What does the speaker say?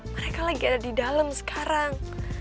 mereka lagi ada di dalam sekarang